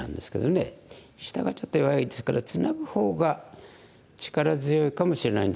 下がちょっと弱いですからツナぐ方が力強いかもしれないんですけど。